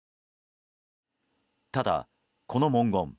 ただ、この文言